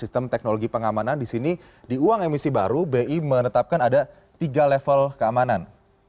sistem teknologi pengamanan di sini di uang emisi baru bi menetapkan ada tiga level keamanan